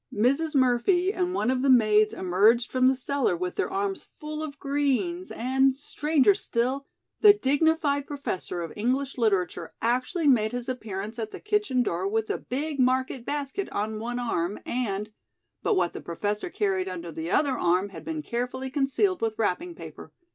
Mrs. Murphy and one of the maids emerged from the cellar with their arms full of greens and, stranger still, the dignified Professor of English Literature actually made his appearance at the kitchen door with a big market basket on one arm and but what the Professor carried under the other arm had been carefully concealed with wrapping paper.